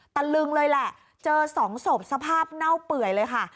ตะลึงเลยแหละเจอสองศพสภาพเน่าเปื่อยเลยค่ะ